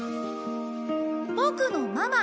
「ぼくのママ。